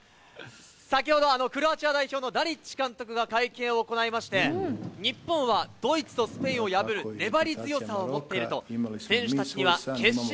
先ほど、クロアチア代表のダリッチ監督が会見を行いまして、日本はドイツとスペインを破る粘り強さを持っていると。